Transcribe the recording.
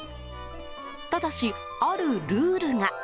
ただし、あるルールが。